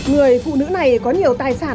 người phụ nữ này có nhiều tài sản